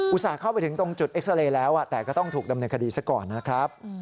ส่าห์เข้าไปถึงตรงจุดเอ็กซาเรย์แล้วแต่ก็ต้องถูกดำเนินคดีซะก่อนนะครับ